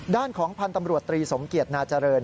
ด้านของพันธ์ตำรวจตรีสมเกียจนาเจริญ